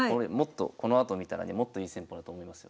このあと見たらねもっといい戦法だと思いますよ。